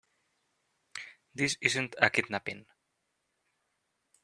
This isn't a kidnapping.